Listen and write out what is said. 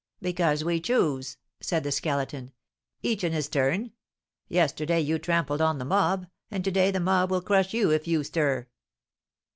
"Because we choose," said the Skeleton. "Each in his turn. Yesterday you trampled on the mob, and to day the mob will crush you if you stir."